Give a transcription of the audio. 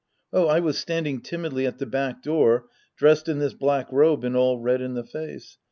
Oh, I was standing timidly at the back door dressed in this black robe and all red in the face.